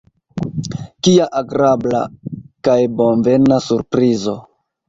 Kia agrabla kaj bonvena surprizo!